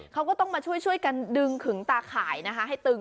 เขาก็ต้องมาช่วยกันดึงขึงตาข่ายนะคะให้ตึง